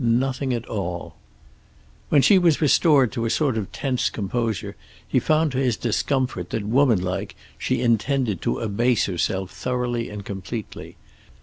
Nothing at all. When she was restored to a sort of tense composure he found to his discomfort that woman like she intended to abase herself thoroughly and completely.